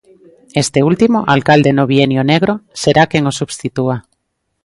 Este último, alcalde no bienio negro, será quen o substitúa.